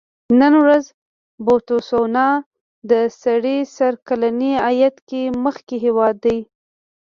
نن ورځ بوتسوانا د سړي سر کلني عاید کې مخکې هېواد دی.